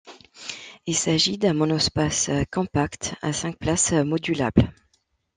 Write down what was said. Il s'agit d'un monospace compact à cinq places modulable.